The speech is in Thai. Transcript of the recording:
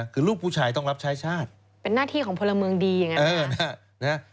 คือลูกผู้ชายต้องรับใช้ชาติเป็นหน้าที่ของพลเมืองดีอย่างนั้น